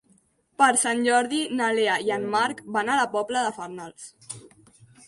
Per Sant Jordi na Lea i en Marc van a la Pobla de Farnals.